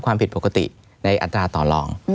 ความผิดปกติในอัตราต่อลอง